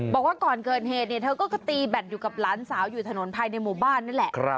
บอกว่าก่อนเกิดเหตุเนี่ยเธอก็ตีแบตอยู่กับหลานสาวอยู่ถนนภายในหมู่บ้านนั่นแหละ